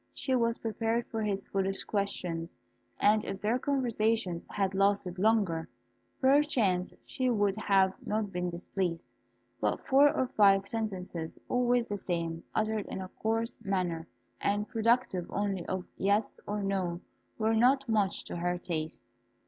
She was prepared for his foolish questions, and if their conversations had lasted longer, perchance she would have not been displeased; but four or five sentences, always the same, uttered in a coarse manner, and productive only of a "Yes" or "No," were not much to her taste.